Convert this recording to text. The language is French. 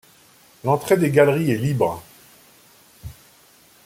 L'entrée des galeries est libre.